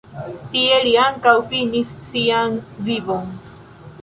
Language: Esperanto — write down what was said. Tie li ankaŭ finis sian vivon.